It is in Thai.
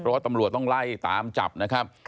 เพราะว่าตำรวจต้องไล่ตามจับนะครับ